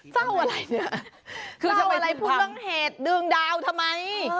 เจ้าอะไรเนี่ยเจ้าอะไรพูดเรื่องเหตุดื้องดาวทำไม